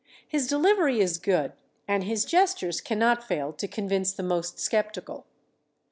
His delivery is good and his gestures cannot fail to convince the most skeptical.